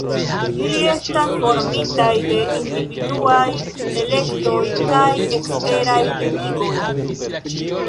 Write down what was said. Ili estas formitaj de individuaj elektoj kaj eksteraj limigoj.